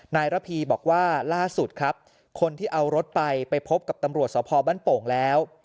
ระพีบอกว่าล่าสุดครับคนที่เอารถไปไปพบกับตำรวจสพบ้านโป่งแล้ว